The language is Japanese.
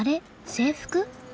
制服？